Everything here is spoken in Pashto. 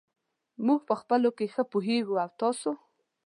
موږ په خپلو کې ښه پوهېږو. او تاسو !؟